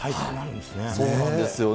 そうなんですよね。